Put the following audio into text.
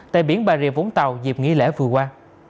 tại biển bà rịa vũng tàu dịp nghỉ lễ vừa qua